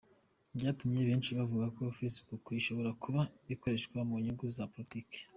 Byatumye benshi bavuga ko Facebook ishobora kuba ikoreshwa mu nyungu za politiki.